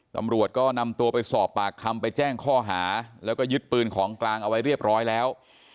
ตำรวจก็นำตัวไปสอบปากคำไปแจ้งข้อหาแล้วก็ยึดปืนของกลางเอาไว้เรียบร้อยแล้ว